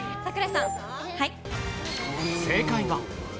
正解は。